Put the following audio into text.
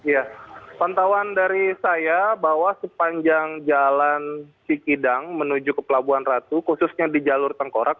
ya pantauan dari saya bahwa sepanjang jalan cikidang menuju ke pelabuhan ratu khususnya di jalur tengkorak